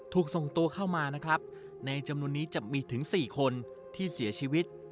ถูกส่งตัวเข้ามานะครับในจำนวนนี้จะมีถึง๔คนที่เสียชีวิต